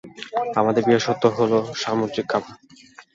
আমাদের বিশেষত্ব হলো সামুদ্রিক খাবার।